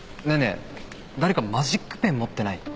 誰かマジックペン持ってない？